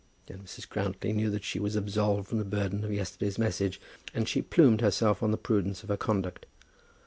Then Mrs. Grantly knew that she was absolved from the burden of yesterday's message, and she plumed herself on the prudence of her conduct.